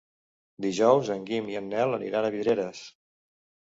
Dijous en Guim i en Nel aniran a Vidreres.